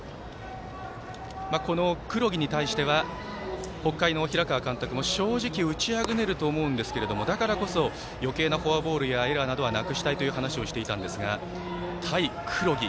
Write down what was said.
この黒木に対しては北海の平川監督も正直、打ちあぐねると思うんですけれども、だからこそよけいなフォアボールやエラーなどは、なくしたいという話をしていたんですが対黒木。